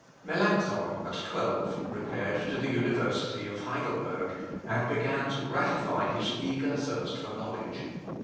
Melancthon, at twelve, repaired to the university of Heidelberg, and began to gratify his eager thirst for knowledge.